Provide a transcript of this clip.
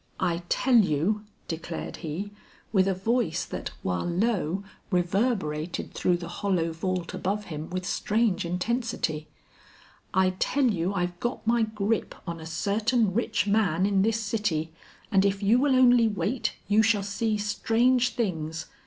"I tell you," declared he, with a voice that while low, reverberated through the hollow vault above him with strange intensity, "I tell you I've got my grip on a certain rich man in this city, and if you will only wait, you shall see strange things.